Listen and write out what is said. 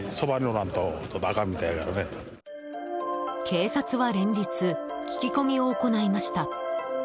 警察は連日聞き込みを行いました。